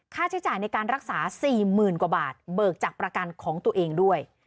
ค่าใช้จ่ายในการรักษา๔๐๐๐กว่าบาทเบิกจากประกันของตัวเองด้วย